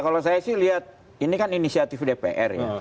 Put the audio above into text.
kalau saya sih lihat ini kan inisiatif dpr ya